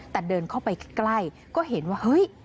แต่เดินเข้าไปใกล้ก็เห็นว่าเฮ้ย